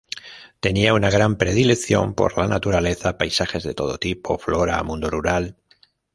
Tenia una gran predilección por la naturaleza: paisajes de todo tipo, flora, mundo rural...